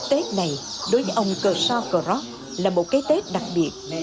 tết này đối với ông kershaw kroc là một cái tết đặc biệt